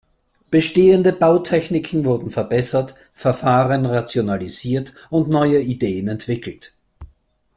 Bestehende Bautechniken wurden verbessert, Verfahren rationalisiert und neue Ideen entwickelt.